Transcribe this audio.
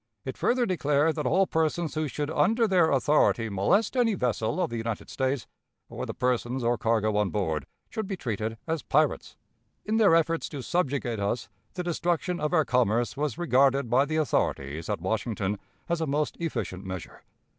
It further declared that all persons who should under their authority molest any vessel of the United States, or the persons or cargo on board, should be treated as pirates. In their efforts to subjugate us, the destruction of our commerce was regarded by the authorities at Washington as a most efficient measure.